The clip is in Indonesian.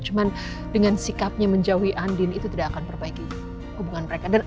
cuman dengan sikapnya menjauhi andin itu tidak akan perbaiki hubungan mereka